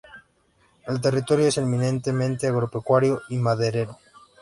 El territorio es eminentemente agropecuario y maderero.